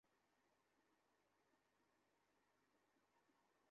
কথা বলে মানে?